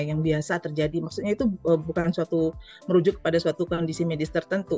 yang biasa terjadi maksudnya itu bukan suatu merujuk pada suatu kondisi medis tertentu